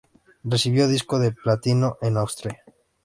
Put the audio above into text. Recibió disco de platino en Austria.